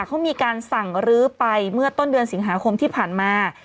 เขามีการสั่งรื้อไปเมื่อต้นเดือนสิงหาคมที่ผ่านมา